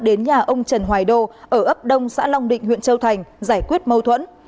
đến nhà ông trần hoài đô ở ấp đông xã long định huyện châu thành giải quyết mâu thuẫn